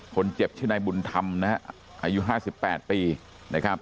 คนเจ็บชื่นายบุญธรรมนะครับอายุห้าสิบแปดปีนะครับ